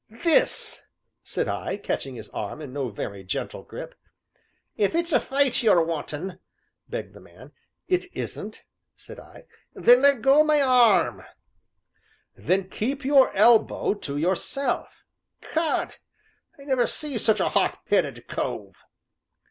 "This," said I, catching his arm in no very gentle grip. "If it's a fight you're wantin' " began the man. "It isn't!" said I. "Then leggo my arm!" "Then keep your elbow to yourself." "'Cod! I never see such a hot headed cove!"